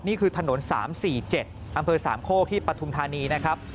นี่คือถนน๓๔๗อำเภอสามโคกที่ปฐุมธานีนะครับ